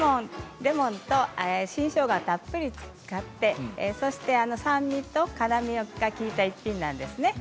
レモンと新しょうがをたっぷりと使ってそして酸味と辛みが利いた一品なんですね。